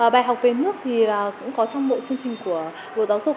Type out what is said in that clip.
bài học về nước thì cũng có trong mỗi chương trình của bộ giáo dục